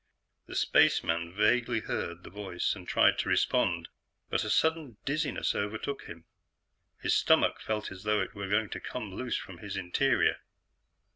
The spaceman vaguely heard the voice, and tried to respond, but a sudden dizziness overtook him. His stomach felt as though it were going to come loose from his interior.